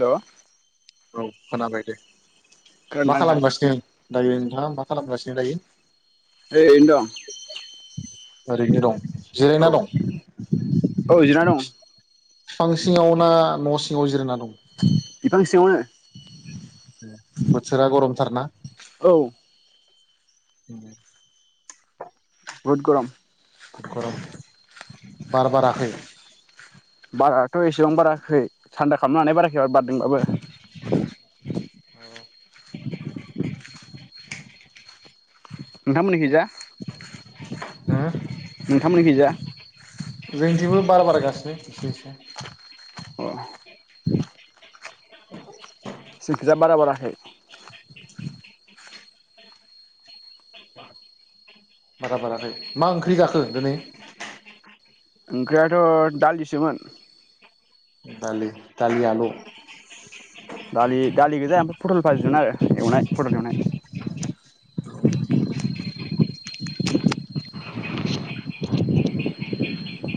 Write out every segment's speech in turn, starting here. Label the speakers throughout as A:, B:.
A: Hello
B: औ खोनाबाय दे। मा
A: खोनादोंना नोंथां
B: खालामगासिनो दायो? नोंथाङा मा खालामगासिनो दायो?
A: ओरैनो दं।
B: ओरैनो दं। जिरायना
A: औ
B: दं
A: औ जिरायना दं
B: बिफां सिङाव ना न सिङाव सिङाव जिरायना दं।
A: [inaudible] न'सिंयावनो।
B: बोथोरा गरमथार ना?
A: औ
B: उम।
A: बुहुद गरम।
B: गरम बार बाराखै।
A: बाराथ एसेबां बाराखै थान्दा खालामनो हानाय बाराखै। आरो बारदोंंबाबो
B: औ।
A: नोंथांमोननि खैजा
B: हो।
A: नोंथां मोननि खैजा
B: जोंथिंबो बार बार गासिनो एसे एसे।
A: अ जोंखैजा बारा बाराखै।
B: बारा बाराखै मा ओंख्रि जाखो दिनै?
A: ओंख्रियाथ' दालिसोमोन।
B: दालि दालि आलु।
A: दालि दालि गोजा ओमफ्राय फटल फाजिमोन आरो एवनाय फटल एवनाय।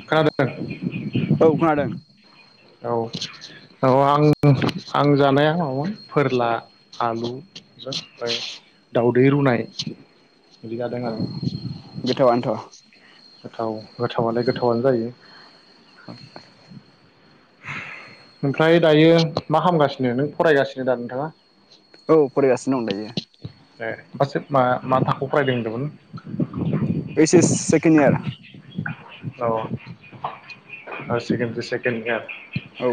B: खोनादों।
A: औ खोनादों।
B: औ औ आं आं जानाया मामोन फोरला आलुजों ओमफ्राय दावदै रुनाय। बिदि जादों
A: अ
B: आरो
A: गोथावानोथ'
B: गोथाव गोथावालाय गोथावनो जायो।
A: [inaudible]
B: ओमफ्राय दायो मा खालामामगासिनो नों फरायगासिनो दा नोंथाङा?
A: औ फरायगासिनो दं दायो
B: ए फास इयार मा मा थाखोआव फरायदों होनदोंमोन?
A: H S second year.
B: औ हायार सेकेण्डारि सेकेण्ड इयार। [unintelligible]
A: औ।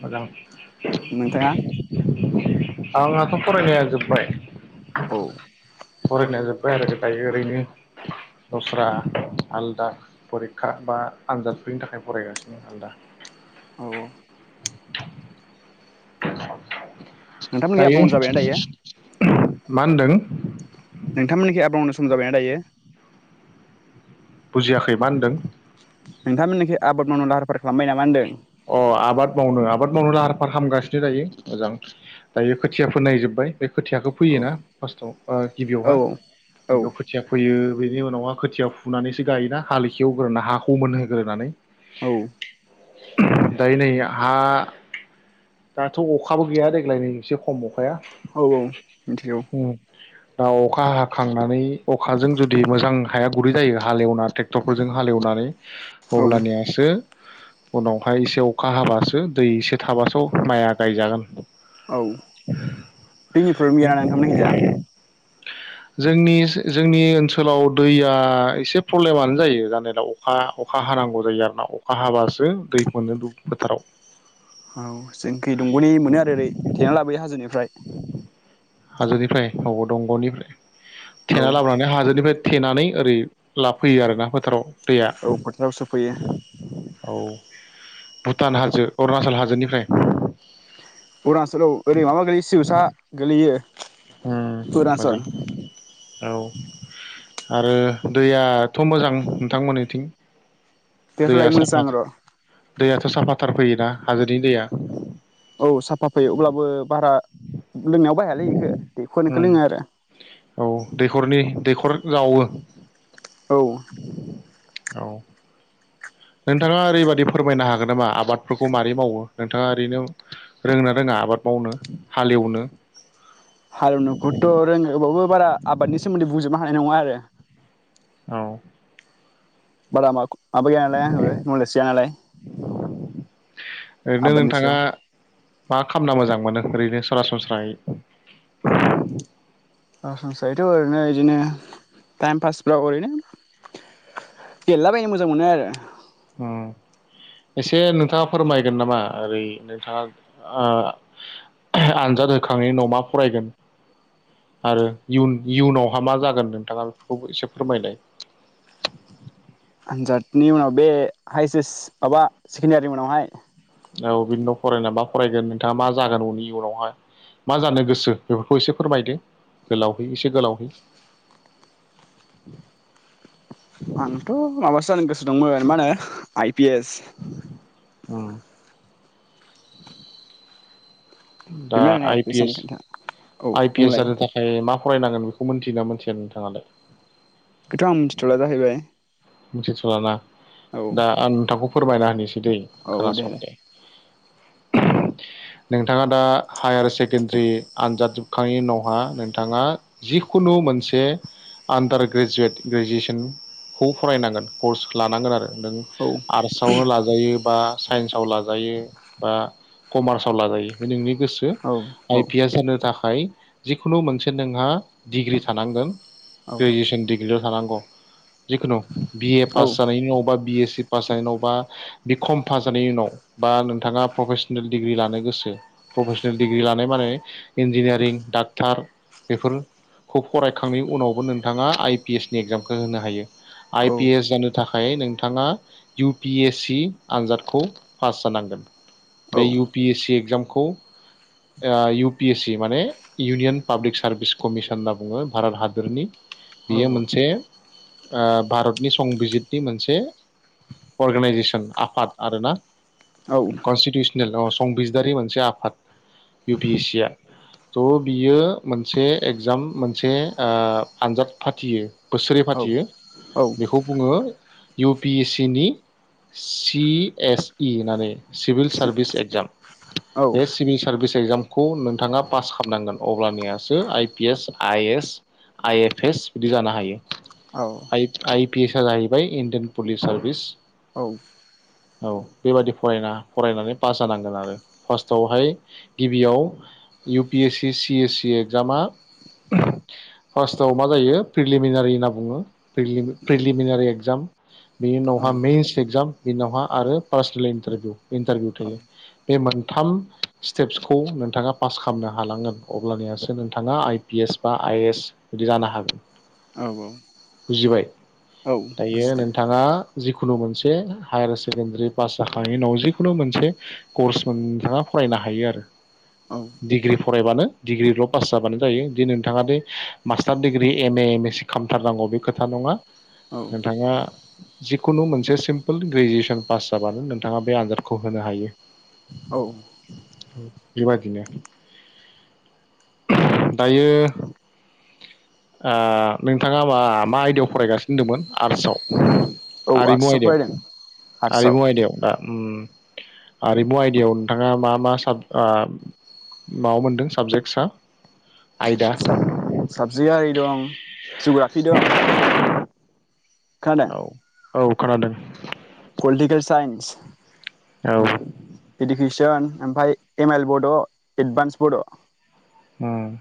B: मोजां।
A: नोंथाङा
B: आंहाथ फरायनाया जोब्बाय।
A: औ
B: फरायनाया जोब फरायनायाव जोब्बाय ओरैनो दस्रा आलदा फरिखा बा आनजादफोरनि थाखाय फरायगासिनो आलादा
A: औ औ
B: [unintelligible]
A: नोंथांमोननिखा आबाद
B: दायो
A: मावनो जाबायना दायो
B: मा होनदों
A: नोंथांमोननिखि आबाद मावनो नुजाबायना दायो
B: बुजियाखै मा होनदों
A: नोंथां मोननिखि आबाद मावनो लाहार फाहार खालामबाय नामा होनदों
B: अ आबाद मावनो आबाद मावनो लाहार फाहार खामगासिनो दायो मोजां दायो खोथिया फोनाय जोब्बाय बे खोथियाखौ
A: औ
B: फैयोना फार्स्टआव गिबियाव
A: औ
B: हा
A: औ
B: गिबियाव खोथिया फैयो बेनि उनावहा खोथिया फुनानैसो गायोना हालिखो एवग्रोना हाखौ मोनहोग्रोनानै
A: औ
B: दायो नै हा दाथ' अखाबो गैया देग्लाय नै एसे खम अखाया
A: औ औ मिथिगौ
B: दा अखा हाखांनानै अखाजों जुदि मोजां हाया गुरै जायो हालेवना टेक्टरफोरजों हालेवनानै
A: औ
B: अब्लानियासो उनावहाय एसे अखा हाबासो दै एसे थाबासो माइया गायजागोन
A: औ दैनि प्रब्लेम गैयाना नोंथांमोननि खिजा
B: जोंनि जोंनि ओनसोलाव दैया एसे प्रब्लेमानो जायो जानायालाय अखा अखा हानांगौ जायो आरोना अखा हाबासो सो दै मोनो दुब फोथाराव
A: औ जोंखि दंगनि मोनो आरो ओरै थेना लाबोयो हाजोनिफ्राय
B: हाजोनिफ्राय औ दंगनिफ्राय
A: औ
B: थेना लाबोनानै हाजोनिफ्राय थेनानै ओरै लाना फैयो आरोना फोथाराव दैया
A: औ फोथाराव सोफैयो
B: औ भुटान हाजो अरुणाचल हाजोनिफ्राय
A: अरुनाचलआव ओरै माबा गायोस [unintelligible] गोलैयो
B: उम
A: अरुणाचल
B: मोजां औ आरो दैयाथ मोजां नोंथांमोननिथिं दैया
A: दैफोरालाय
B: साफा
A: मोजां र
B: दैयाथ' साफाथार फैयोना हाजोनि दैया
A: औ साफा फैयो अब्लाबो बारा लोंनायाव बाहायालै इखो दैखरनिखौ लोङो आरो
B: दै-दैखर जावो
A: औ
B: औ नोंथाङा ओरैबादि फोरमायनो हागोन नामा आबादफोरखौ मारै मावो नोंथाङा ओरैनो रोंङोना रोङा आबाद मावनो हालेवनो
A: हालेव नोखौथ रोंङो [unintelligible] बारा आबादनि सोमोन्दै बुंजोबनो हानाय नङा आरो
B: [unintelligible]
A: [unintelligible] माबा गैया नालाय आंहाबो नलेज गैया नालाय
B: ओरैनो
A: आबादनि
B: नोंथाङा
A: सायाव।
B: मा खामना मोजां मोनो ओरैनो सरासनस्रायै।
A: सरासनस्रायैथ ओरैनो बिदिनो टाइम पासफ्राव ओरैनो गेलेलाबायनो मोजां मोनो आरो।
B: उम एसे नोंथाङा फोरमायगोन नामा ओरै नोंथाङा आ आनजाद होखांनायनि उनाव मा फरायगोन आरो इयुन-इयुनावहा मा जागोन नोंथाङा बेफोरखौबो एसे फोरमायनाय।
A: आनजादनि उनाव बे हाइ सेस माबा सेकेणडारिनि उनावहाय।
B: औ बिनि उनाव फरायना मा फरायगोन नोंथाङा मा जागोन उनि उनावहाय मा जानो गोसो बेफोरखौ एसे फोरमायदो गोलावहै एसे गोलावहै।
A: आंथ माबासो जानो गोसो। दंमोन मा होनो आइ पि एस।
B: उम। दा
A: बेमोन आरोना
B: आइ पि
A: जानो
B: एस
A: खोन्था औ
B: आइ पि एस
A: बुंलाय
B: जानो थाखाय मा। फरायनांगोन बेखौ मोनथियोना मोनथिया नोंथाङालाय।
A: [unintelligible] आं मिथिथला जाहैबाय।
B: मिथिथलाना।
A: औ
B: दा आं नोंथांखौ। फोरमायना होनोसै। दि खोनासं दे। नोंथाङा दा हायार सेकेणडारि आनजाद जोबखांनायनि उावहा नोंथाङा जिखुनु मोनसे आन्दार ग्रेजुवेट ग्रेजुवेसन। खौ फरायनांगोन कर्स लानांगोन आरो। नों
A: औ
B: आरसावनो लाजायो बा। साइन्सआव लाजायो बा कमार्सआव लाजायो बे नोंनि। गोसो
A: औ औ
B: आइ पि एस होनो था खाय जिखुनु मोनसे नोंहा डिग्रि थानांगोन।
A: औ
B: ग्रेजुवेसन डिग्रिल। थानांगौ। जिखुनु बि ए
A: औ
B: पास जानायनि उनाव बा बि ए सि। पास जानायनि उनाव बा बि खम पास जानायनि उनाव बा नोंथाङा प्रफेसनेल डिग्रि लानो गोसो प्रफेसनेल डिग्रि लानाय माने इन्जिनियारिं डाक्टार बेफोरखौ फरायखांनायनि उनावबो नोंथाङा आइ पि एस नि एगजामखौ होनो हायो।
A: औ
B: आइ पि एस जानो थाखाय नोंथाङा इउ पि एस सि आनजादखौ पास जानांगोन। बे
A: औ
B: U P S C exam. खौ आ इउ पि एस सि माने इउनियन पाब्लिक सार्भिस कमिसन होनना बुङो भारत हादोरनि।
A: औ
B: बेयो मोनसे। औ भारतनि संबिजितनि मोनसे अर्गेनाइजेसन आफाद आरोना।
A: औ
B: कन्सिडि अ संबिजदारि मोनसे आफाद इउ पि एस सि आ। थ बियो मोनसे एगजाम मोनसे आ आनजाद फाथियो बोसोरै फाथियो। बेखौ बुङो। इउ पि एस सि नि सि एस इ होननानै सिभिल सार्भिस एग्जाम। बे सिभिल सार्भिस एक्जामखौ नोंथाङा पास खालामनांगोन अब्लानियासो I P S, I S, I F S बिदि जानो हायो। आइ आइ पि एस आ जाहैबाय इण्डियान पुलिस सार्भिस। औ बेबादि फराना फरायनानै पास जानांगोन आरो। फार्स्टआवहाय गिबियाव U P S C C S C एगजामा फार्स्टआव मा जायो प्रिलिमिनारि होनना बुङो। प्रिलि प्रिलिमिनारि एगजाम बिनि उनावहा मेइन्स एग्जाम बिनि उनावहा आरो पार्सनेल इन्टारभिउ इन्टारभिउ थायो बे मोनथाम स्टेप्सखौ नोंथाङा पास खालामनो हानांगोन अब्लानियासो नोंथाङा आइ पि एस बा आइ ए एस बिदि जानो हागोन।
A: औ औ
B: बुजिबाय?
A: औ
B: दायो
A: बुजिदो
B: नोंथाङा जिखुनु मोनसे हायार सेकेणडारि पास जाखांनायनि उनाव जिखुनु मोनसे कर्स नोंथाङा फरायनो हायो आरो।
A: औ
B: डिग्रि फरायबानो डिग्रिल' पास जाबानो जायो दि नोंथाङा दि master degree M A M S C खालामथारनांगौ बे खो थां नङा।
A: औ
B: नोंथाङा जिखुनु मोनसे सिम्पोल ग्रेजुवेसन पास जाबानो नोंथाङा बे आनजादखौ होनो हायो
A: औ
B: बेबायदिनो दायो ओ नोंथाङा मा मा आयदायाव फरायगासिनो दंमोन आर्टसाव।
A: औ
B: आरिमु
A: आर्टसआव फरायदों
B: आयदायाव।
A: आर्टसआव
B: आरिमु आयदायाव दा? ओम हारिमु आयदायाव नोंथाङा मा मा साब ओ माबा मोनदों साबजेक्टसा आयदा
A: साबजेक आरि दं जुग्राफि दं
B: औ
A: खोनादों?
B: औ खोनादों
A: पलिटिकेल साइन्स
B: औ
A: दों ओमफ्राय एम एइल बड, एडभान्स बड
B: उम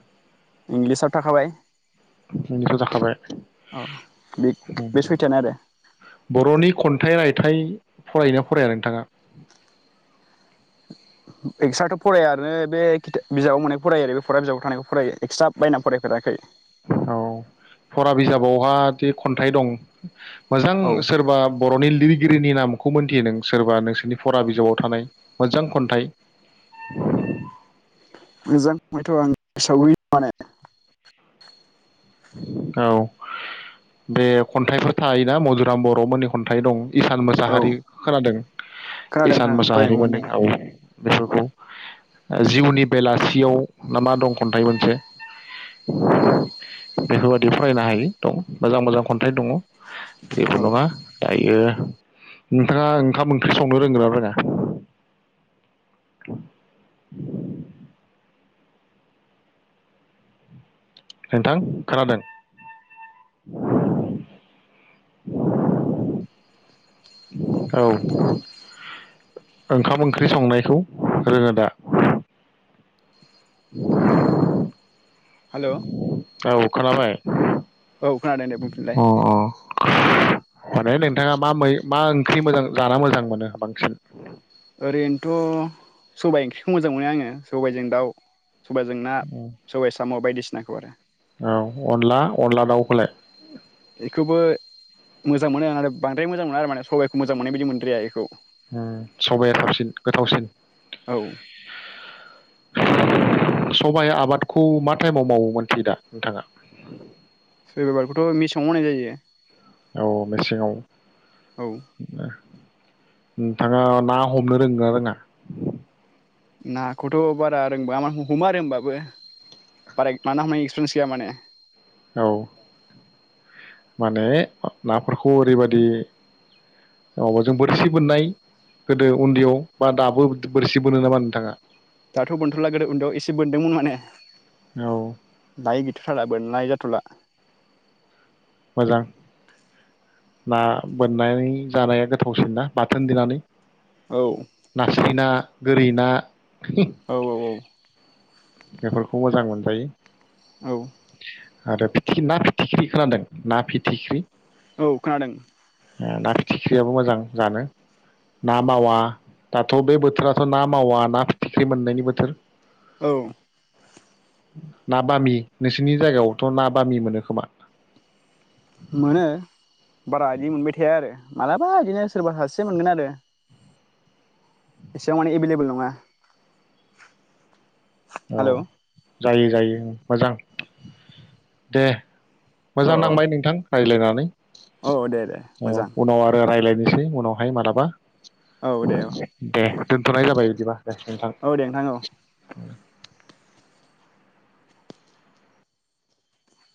A: इंलिसा थाखाबाय
B: ओंखारजाखाबाय
A: औ बे बे सयथायानो आरो
B: बर'नि खन्थाइ रायथाइ फरायोना फराया नोंथाङा?
A: एक्सट्राथ' फराया आरो बे किथाब बिजाबाव मोननाय फरायो आरो बे फराय बिजाबाव थानायखौ फरायायो एक्स्रा बायनानै फरायफेराखै।
B: औ फरा बिजाबावहा दि खन्थाइ दं मोजां
A: औ
B: सोरबा बर'नि लिर गिरिनि नामखौ मोनथियो नों सोरबा नोंसोरनि फरा बिजाबाव थानाय मोजां खन्थाइ
A: मोजां [unintelligible] आं हिसाबै माने
B: औ बे खन्थाइफोर थायोना मधुराम बर'मोननि खन्थाइ दं। इसान
A: औ
B: मोसाहारि खोनादों
A: खोनादों
B: इसान
A: खोनादों फरायनोबो
B: मोसाहारिमोननि
A: मोनदों
B: राव बेफोरखौ ओ जिउनि बेलासियाव ना मा दं खन्थाइ मोनसे
A: औ
B: बेफोरबायदि फरायनो हायो दं मोजां मोजां खन्थाइ दङ। जेबो
A: औ
B: नङा दायो नोंथाङा ओंखाम ओंख्रि संनो रोंगोना रोङा? नोंथां खोनादों औ ओंखाम ओंख्रि संनायखौ रोङो दा। [inaudible]
A: हेलौ
B: औ खोनाबाय।
A: खोनादों दे
B: अ
A: बुंफिनलाय
B: अ माने नोंथाङा मा मै मा ओंख्रि मोजां जाना मोजां मोनो बांसिन।
A: ओरैनोथ' सबाइ ओंख्रिखौ मोजां मोनो आंङो सबाइजों दाउ। सबायजों ना सबाय साम' बायदिसि नायखौ आरो
B: औ अनला अनला दाउखौलाय
A: बेखौबो मोजां मोनो आं बांद्राय मोजां मोना आरो माने सबाइखौ मोजां मोननाय बायदि मोनद्राया बेखौ।
B: ओ सबाया थावसिन गोथावसिन।
A: औ
B: [inaudible] सबाय आबादखौ मा टाइमाव मावोमोन मिथियो दा नोंथाङा।
A: सोरबा बेखौथ मेसेङाव मावनाय जायो।
B: औ मेसेङाव
A: औ
B: ना नोंथाङा ना हमनो रोंगोना रोङा
A: नाखौथ बारा रोंबांङा मा हमो आरो होमबाबो बारा ना हमनायनि एक्सपिरियेन्स गैया माने।
B: औ माने नाफोरखौ ओरैबायदि औ जों बोरसि बोननाय गोदो उन्दैयाव बा दाबो बोरसि बोनो नामा नोंथाङा।
A: दाथ बोनथला गोदो उन्दैयाव एसे बोनदोंमोन माने
B: औ
A: दायो गैथथारा बोनाय जाथला।
B: मोजां ना बोननाय जानाया गोथावसिन ना बाथोन देनानै।
A: औ
B: नास्राय ना गोरि ना
A: औ औ औ
B: बेफोरखौ मोजां मोनजायो
A: औ
B: आरो फिथिख्रि ना फिथिख्रि खोनादों ना फिथिख्रि
A: औ खोनादों
B: ओ ना फिथिख्रियाबो मोजां जानो ना मावा दाथ बे बोथोराथ ना मावा ना फिथिख्रि मोननायनि बोथोर।
A: औ
B: ना बामि नोंसोरनि जायगायावथ ना बामि मोनो खोमा।
A: मोनो बारा इदि मोनबाय थाया आरो मालाबा इदिनो सोरबा सासेया मोनगोन आरो एसेबां माने एभेलेबोल नङा।
B: औ
A: हेलौ
B: जायो जायो मोजां दे मोजां
A: औ
B: नांबाय नोंथां रायलायनानै
A: औ दे दे
B: औ
A: मोजां
B: उनाव आरो रायलाय बेनोसै उनावहाय मालाबा
A: औ दे औ
B: [inaudible] दे दोनथनाय जाबाय बिदिबा दे नोंथां
A: औ दे नोंथां औ